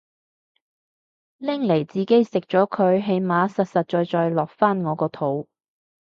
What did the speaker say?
拎嚟自己食咗佢起碼實實在在落返我個肚